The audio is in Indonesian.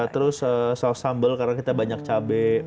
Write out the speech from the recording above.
terus saus sambal karena kita banyak cabai